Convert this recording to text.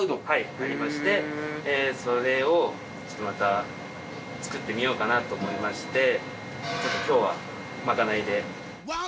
はいありましてそれをまた作ってみようかなと思いましてちょっと今日はまかないで。